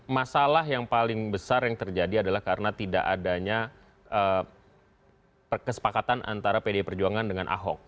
masalah yang paling besar yang terjadi adalah karena tidak adanya kesepakatan antara pdi perjuangan dengan ahok